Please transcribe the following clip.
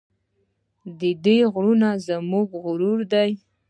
د دې غرونه زموږ غرور دی